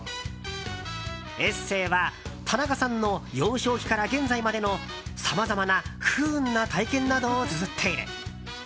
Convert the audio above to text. エッセーは田中さんの幼少期から現在までのさまざまな不運な体験などをつづっている。